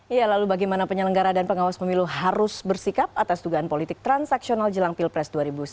iya lalu bagaimana penyelenggara dan pengawas pemilu harus bersikap atas dugaan politik transaksional jelang pilpres dua ribu sembilan belas